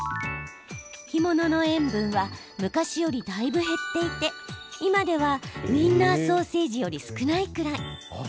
干物の塩分は昔よりだいぶ減っていて今ではウインナーソーセージより少ないくらい。